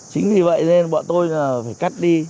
chính vì vậy nên bọn tôi phải cắt đi